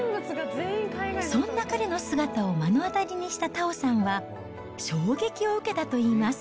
そんな彼の姿を目の当たりにしたたおさんは、衝撃を受けたといいます。